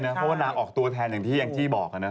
เพราะว่านางออกตัวแทนอย่างที่อย่างที่บอกนะ